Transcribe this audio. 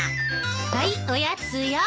はいおやつよ。